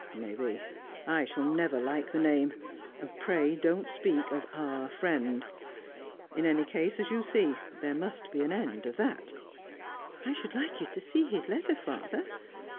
"Maybe; I shall never like the name. Pray don't speak of 'our friend.' In any case, as you see, there must be an end of that." "I should like you to see his letter, father.